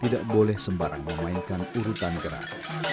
tidak boleh sembarang memainkan urutan gerak